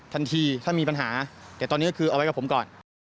ทันทีถ้ามีปัญหาแต่ตอนนี้ก็คือเอาไว้กับผมก่อน